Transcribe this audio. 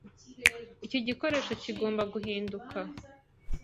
Iki gikoresho kigomba guhinduka.